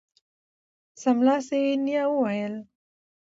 سملاسي یې نیا وویل